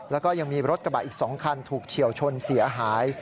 แล้วก็ยังมีรถกระบะอีก๒คันถูกเฉียวชนเสียหาย